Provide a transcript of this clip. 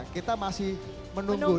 kita masih menunggu nih